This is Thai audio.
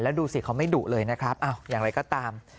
ดูสิเขาไม่ดุเลยนะครับอย่างไรก็ตาม